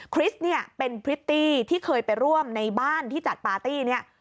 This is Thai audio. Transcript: คริสเนี่ยเป็นพริตตี้ที่เคยไปร่วมในบ้านที่จัดปาร์ตี้เนี่ย